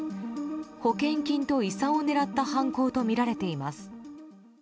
保険金と遺産を狙った犯行とみられています。